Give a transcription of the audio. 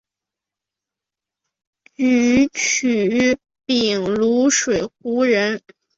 沮渠秉卢水胡人。